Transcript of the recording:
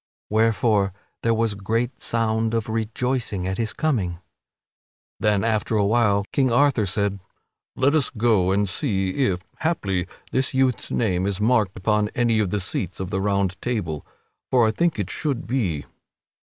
Wherefore, there was great sound of rejoicing at his coming. Then, after a while, King Arthur said: "Let us go and see if, haply, this youth's name is marked upon any of the seats of the Round Table, for I think it should be there."